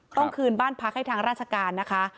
คืนบ้านพักให้ทางราชการนะคะ